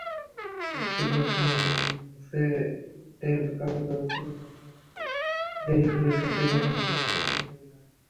মেক্সিকোর San Jose del কাবোর Flora Farm জেনিফারের ছুটি কাটানোর সবচেয়ে প্রিয় জায়গা।